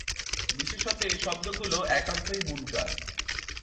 বিশেষত এ শব্দগুলো একান্তই মুনকার।